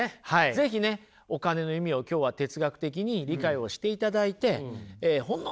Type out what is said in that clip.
是非ねお金の意味を今日は哲学的に理解をしていただいてえほんの